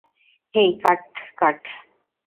হেই cut কাট।